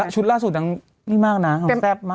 ชุดล่าสุดนางนี่มากนะแซ่บมาก